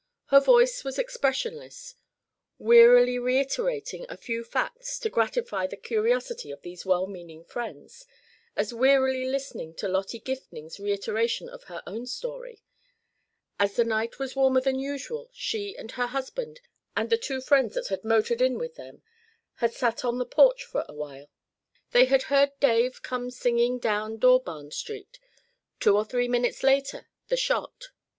Her voice was expressionless, wearily reiterating a few facts to gratify the curiosity of these well meaning friends, as wearily listening to Lottie Gifning's reiteration of her own story: As the night was warmer than usual she and her husband and the two friends that had motored in with them had sat on the porch for awhile; they had heard "Dave" come singing down Dawbarn Street; two or three minutes later the shot.